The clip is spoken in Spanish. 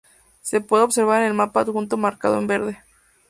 Se puede observar en el mapa adjunto marcado en verde.